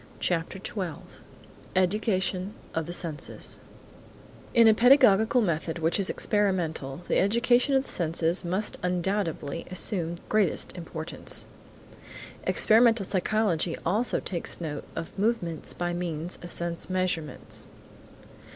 CHAPTER XII EDUCATION OF THE SENSES IN a pedagogical method which is experimental the education of the senses must undoubtedly assume the greatest importance. Experimental psychology also takes note of movements by means of sense measurements.